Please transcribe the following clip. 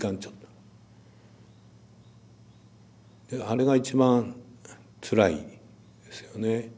あれが一番つらいですよね。